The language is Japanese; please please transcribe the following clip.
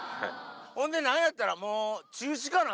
ほんでなんやったら、もう中止かな？